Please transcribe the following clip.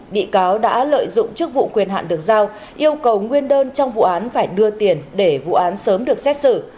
bị cáo đã lợi dụng chức vụ quyền hạn được giao yêu cầu nguyên đơn trong vụ án phải đưa tiền để vụ án sớm được xét xử